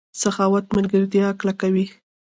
سخاوت ملګرتیا کلکوي.